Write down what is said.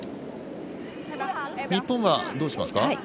日本はどうしますか？